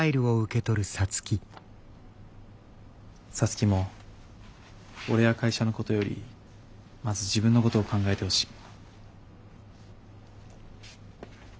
皐月も俺や会社のことよりまず自分のことを考えてほしい。